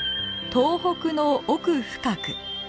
東北の奥深く